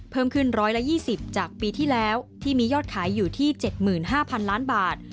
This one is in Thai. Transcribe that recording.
เพิ่มขึ้น๑๒๐จากปีที่แล้วที่มียอดขายอยู่ที่๗๕๐๐๐ล้านบาท